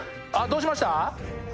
どうしました？